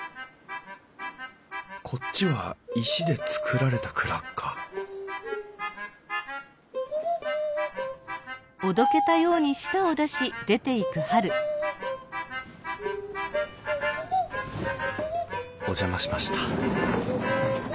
こっちは石で造られた蔵かお邪魔しました。